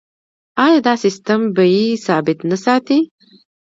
آیا دا سیستم بیې ثابت نه ساتي؟